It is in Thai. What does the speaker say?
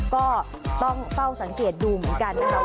ก็ต้องเฝ้าสังเกตดูเหมือนกันนะครับ